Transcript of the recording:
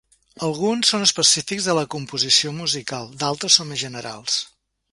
Alguns són específics de la composició musical; d'altres són més generals.